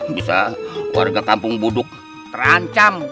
bisa warga kampung buduk terancam